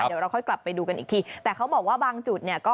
เดี๋ยวเราค่อยกลับไปดูกันอีกทีแต่เขาบอกว่าบางจุดเนี่ยก็